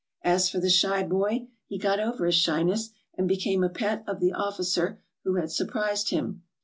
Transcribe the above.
As for the shy boy, he got over his shyness and became a pet of the officer who had surprised him.